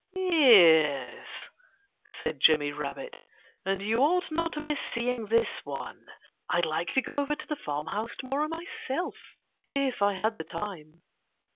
"Yes!" said Jimmy Rabbit. "And you ought not to miss seeing this one. I'd like to go over to the farmhouse to morrow myself if I had the time."